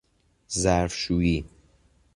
ظرفشویی